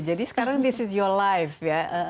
jadi sekarang this is your life ya